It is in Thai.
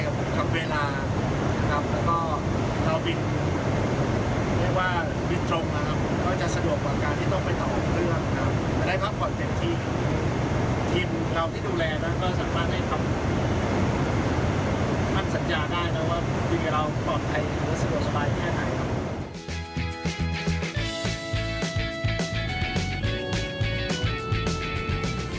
รู้สึกว่าบินไทยแค่ไหน